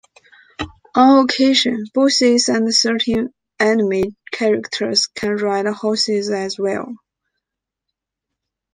On occasion, bosses and certain enemy characters can ride horses as well.